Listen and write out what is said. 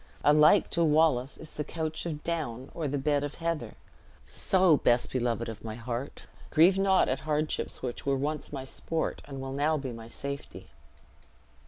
Alike to Wallace is the couch of down or the bed of heather; so, best beloved of my heart, grieve not at hardships which were once my sport, and will now be my safety."